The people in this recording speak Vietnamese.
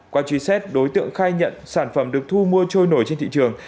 qua truy xét đối tượng khai nhận sản phẩm được thu mua trôi nổi trên thị trường